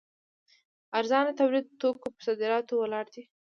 ارزانه تولیدي توکو پر صادراتو ولاړ دی.